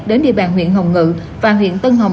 đến địa bàn huyện hồng ngự và huyện tân hồng